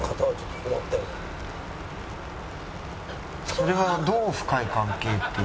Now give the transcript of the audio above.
それはどう深い関係っていう？